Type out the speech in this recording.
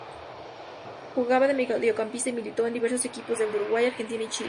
Jugaba de mediocampista y militó en diversos equipos de Uruguay, Argentina y Chile.